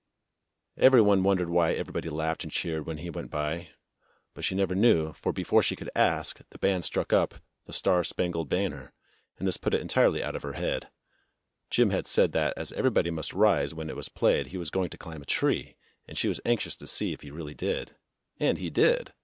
Evelyn wondered why everybody laughed and cheered when he went by, but she never knew, for before she could ask, the band struck up "The Star* 62 THE BLUE AUNT Spangled Banner," and this put it entirely out of her head; Jim had said that as everybody must rise when it was played he was going to climb a tree, and she was anxious to see if he really did. And he did.